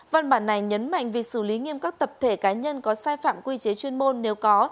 văn bản này nhấn mạnh việc xử lý nghiêm các tập thể cá nhân có sai phạm quy chế chuyên môn nếu có